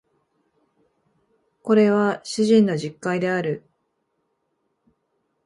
これは主人の述懐である